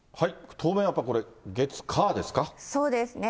当面はやっぱり月、そうですね。